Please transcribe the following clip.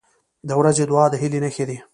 • د ورځې دعا د هیلې نښه ده.